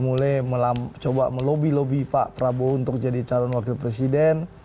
mulai coba melobi lobi pak prabowo untuk jadi calon wakil presiden